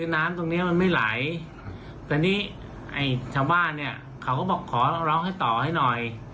น้ำตรงเนี้ยมันไม่ไหลแต่นี่ไอ้ชาวบ้านเนี่ยเขาก็บอกขอร้องให้ต่อให้หน่อย